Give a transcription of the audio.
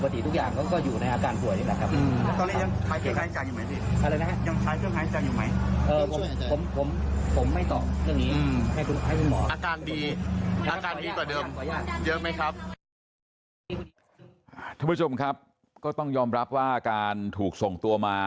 ทุกคนทุกคนก็ต้องยอมรับว่าอาการถูกส่งตัวมา